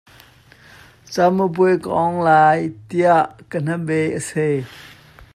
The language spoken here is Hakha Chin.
Caminpuai ka awng lai tiah ka hnabei a sei.